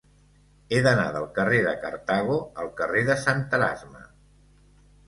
He d'anar del carrer de Cartago al carrer de Sant Erasme.